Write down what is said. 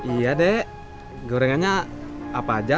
iya dek gorengannya apa aja